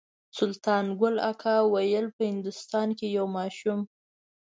سلطان ګل اکا ویل په هندوستان کې یو ماشوم.